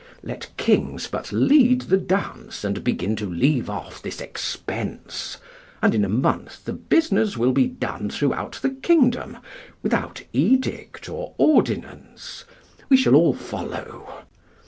Let kings but lead the dance and begin to leave off this expense, and in a month the business will be done throughout the kingdom, without edict or ordinance; we shall all follow.